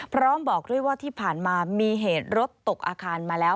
พร้อมบอกด้วยว่าที่ผ่านมามีเหตุรถตกอาคารมาแล้ว